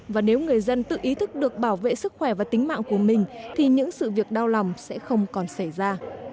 và nếu người dân tự ý thức được bảo vệ sức khỏe và tính mạng của mình thì những sự việc đau lòng sẽ không còn xảy ra